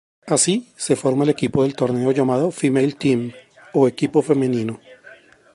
Así se forma el equipo del torneo llamado "Female Team" o equipo femenino.